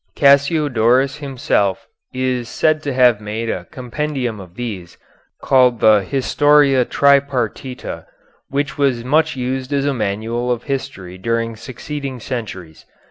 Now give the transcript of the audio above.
Cassiodorus himself is said to have made a compendium of these, called the "Historia Tripartita," which was much used as a manual of history during succeeding centuries.